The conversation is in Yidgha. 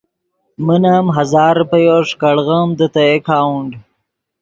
من ام ہزار روپیو ݰیکاڑیم دے تے اکاؤنٹ۔